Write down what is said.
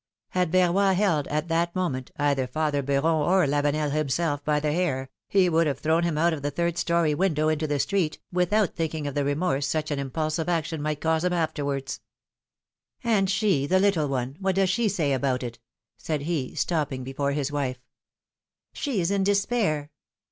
Had Verroy held, at that moment, either father Beuron or Lavenel himself by the hair, he would have thrown him out of the third story window into the street, without thinking of the remorse such an impulsive action might cause him afterwards. PHILOMi:NE's MARRIAGES. 243 ^^And she — the little one — what does she say about it ?" said he, stopping before his wife. She is in despair.